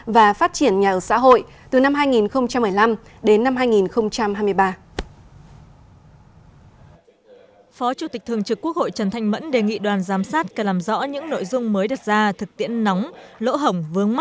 và phát triển nhà ở xã hội từ năm hai nghìn một mươi năm đến năm hai nghìn hai mươi ba